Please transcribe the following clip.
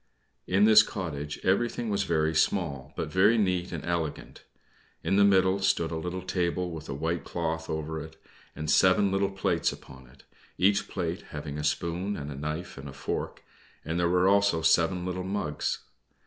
In this cottage everything was very small, but very neat and elegant. In the middle stood a little table with a white cloth over it, and seven little plates upon it, each plate having a spoon and a knife and a fork, and there were also seven little mugs.